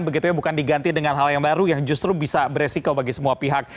begitu ya bukan diganti dengan hal yang baru yang justru bisa beresiko bagi semua pihak